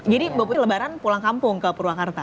bapak lebaran pulang kampung ke purwakarta